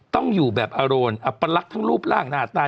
ต้องอยู่แบบอารมณ์อัปลักษณ์ทั้งรูปร่างหน้าตา